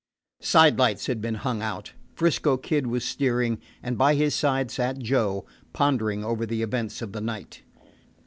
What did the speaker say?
Side lights had been hung out. 'Frisco Kid was steering, and by his side sat Joe, pondering over the events of the night.